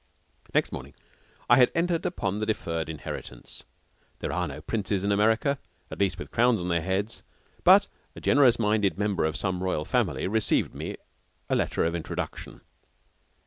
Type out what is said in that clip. Next morning I had entered upon the deferred inheritance. There are no princes in America at least with crowns on their heads but a generous minded member of some royal family received my letter of introduction.